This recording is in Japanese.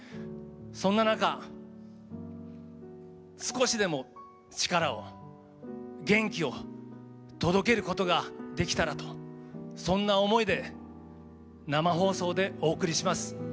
そんな中少しでも力を元気を届けることができたらとそんな思いで生放送でお送りします。